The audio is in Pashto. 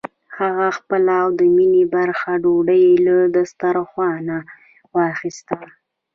هغه خپله او د مينې برخه ډوډۍ له دسترخوانه واخيسته.